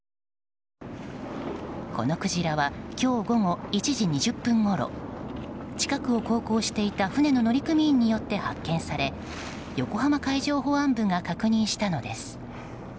このクジラは今日午後１時２０分ごろ近くを航行していた船の乗組員によって発見され横浜海上保安部が確認したのです。